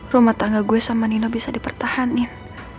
rumah tangga gue sama nino bisa dipertahanin